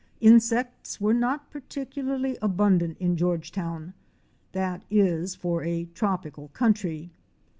Insects were not particularly abundant in Georgetown, that is, for a tropical country.